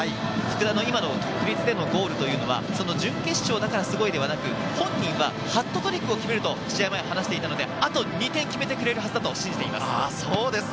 国立のゴールは準決勝だからすごいではなく、本人はハットトリックを決めると試合前に話していたので、あと２点決めてくれるはずだと信じています。